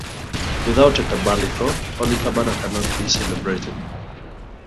Without a tabalitho Holy Qurbana cannot be celebrated.